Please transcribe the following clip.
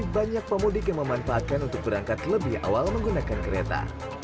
banyak pemudik yang memanfaatkan untuk berangkat lebih awal menggunakan kereta